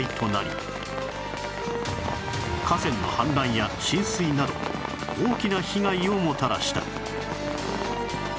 河川の氾濫や浸水など大きな被害をもたらした